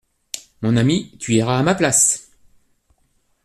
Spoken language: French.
Mon ami, tu iras à ma place.